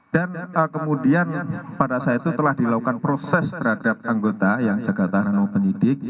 dan kemudian pada saat itu telah dilakukan proses terhadap anggota yang segala tahanan penyidik